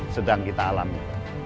sedang kita alami